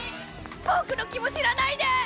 ボクの気も知らないで！